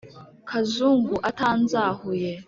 Kazungu atanzahuye